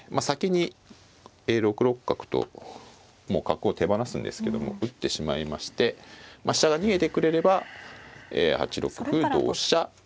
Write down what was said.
先に６六角ともう角を手放すんですけども打ってしまいましてまあ飛車が逃げてくれれば８六歩同飛車